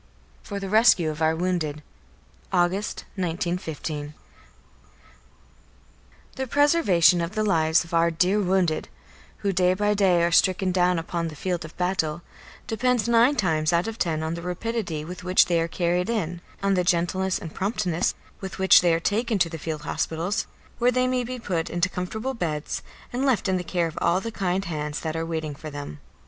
XVII FOR THE RESCUE OF OUR WOUNDED August, 1915. The preservation of the lives of our dear wounded, who day by day are stricken down upon the field of battle, depends nine times out of ten on the rapidity with which they are carried in; on the gentleness and promptness with which they are taken to the field hospitals, where they may be put into comfortable beds and left in the care of all the kind hands that are waiting for them.